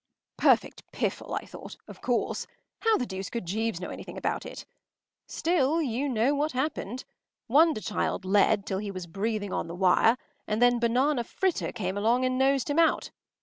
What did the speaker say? ” Perfect piffle, I thought, of course. How the deuce could Jeeves know anything about it? Still, you know what happened. Wonderchild led till he was breathing on the wire, and then Banana Fritter came along and nosed him out.